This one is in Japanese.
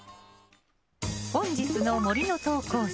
本日の森の投稿者